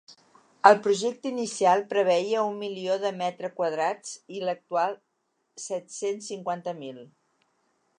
El projecte inicial preveia un milió de metre quadrats i l’actual, set-cents cinquanta mil.